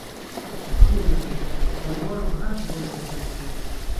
ښه به وي چې په لوړ غږ ولوستل شي.